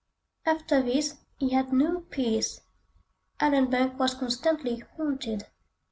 After this he had no peace—Allanbank was constantly haunted.